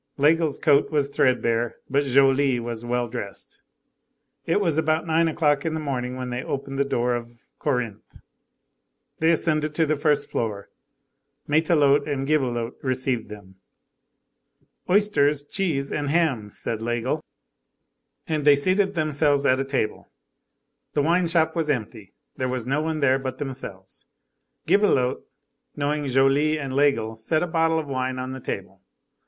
Laigle's coat was threadbare, but Joly was well dressed. It was about nine o'clock in the morning, when they opened the door of Corinthe. They ascended to the first floor. Matelote and Gibelotte received them. "Oysters, cheese, and ham," said Laigle. And they seated themselves at a table. The wine shop was empty; there was no one there but themselves. Gibelotte, knowing Joly and Laigle, set a bottle of wine on the table.